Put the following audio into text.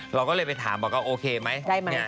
เราก็เลยไปถามบอกว่าโอเคไหม